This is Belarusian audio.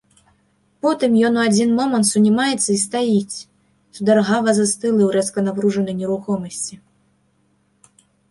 Потым ён у адзін момант сунімаецца і стаіць, сударгава застылы ў рэзка напружанай нерухомасці.